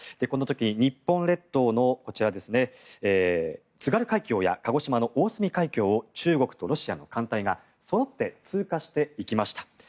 この時、日本列島の津軽海峡や鹿児島県の大隅海峡を中国とロシアの艦艇がそろって通過していきました。